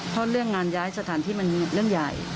เพราะเรื่องงานย้ายสถานที่มันเรื่องใหญ่